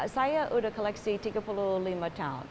saya udah koleksi tiga puluh lima tahun